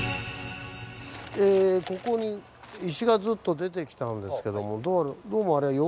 ここに石がずっと出てきたんですけどもどうもあれははい。